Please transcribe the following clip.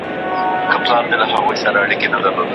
چي طلاوي نه وې درې واړه یاران ول